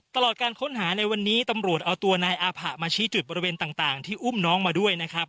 ตลอดการค้นหาในวันนี้ตำรวจเอาตัวนายอาผะมาชี้จุดบริเวณต่างที่อุ้มน้องมาด้วยนะครับ